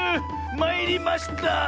まいりました！